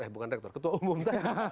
eh bukan rektor ketua umum